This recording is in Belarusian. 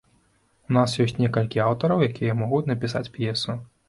У нас ёсць некалькі аўтараў, якія могуць напісаць п'есу.